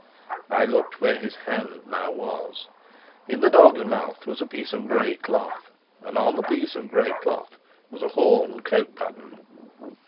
I looked where his hand now was. In the dog's mouth was a piece of gray cloth, and on the piece of gray cloth was a horn coat button.